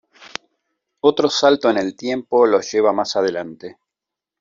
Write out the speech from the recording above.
Otro salto en el tiempo los lleva más adelante.